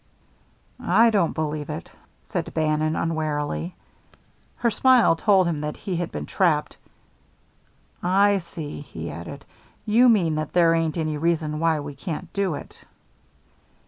"I don't believe it," said Bannon, unwarily. Her smile told him that he had been trapped. "I see," he added. "You mean that there ain't any reason why we can't do it."